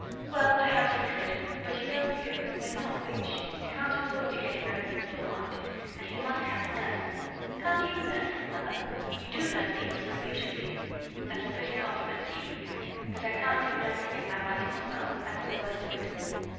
"Well perhaps he could, but you know, dear, we're not rich. I can't afford to get him everything he'll want. And he must have a nurse." "Can't you nurse him, Mother? You do nurse people so beautifully." "That's a pretty compliment, Pete but I can't do nursing and my writing as well. That's the worst of it."